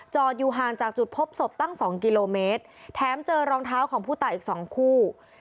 อยู่ห่างจากจุดพบศพตั้งสองกิโลเมตรแถมเจอรองเท้าของผู้ตายอีกสองคู่